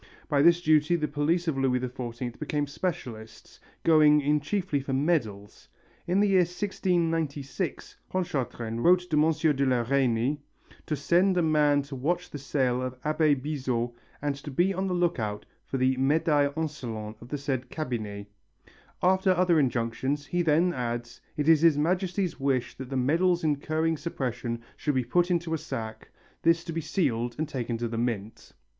By this duty the police of Louis XIV become specialists, going in chiefly for medals. In the year 1696 Pontchartrain wrote to M. de la Reynie "to send a man to watch the sale of Abbé Bizot and be on the look out for the médailles insolentes of the said cabinet." After other injunctions, he then adds: "It is His Majesty's wish that the medals incurring suppression should be put into a sack, this to be sealed and taken to the mint...."